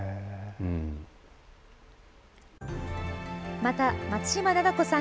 また松嶋菜々子さん